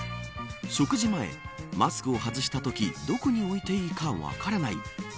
食事前、マスクを外したときどこに置いていいか分からない。